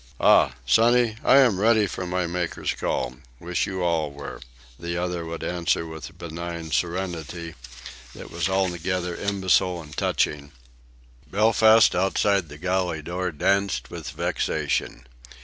"Ah! sonny, I am ready for my Maker's call... wish you all were," the other would answer with a benign serenity that was altogether imbecile and touching. Belfast outside the galley door danced with vexation.